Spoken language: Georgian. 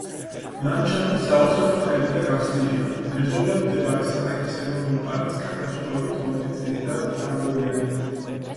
ლანდშაფტი საოცრად ბრტყელი და გახსნილია, მეზობლად მდებარე სარეკის ეროვნული პარკისგან განსხვავებით, რომელიც ძირითადად მთაგორიანია.